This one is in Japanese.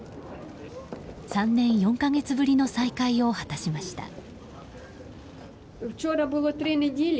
３年４か月ぶりの再会を果たしました。